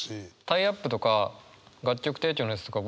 タイアップとか楽曲提供のやつとか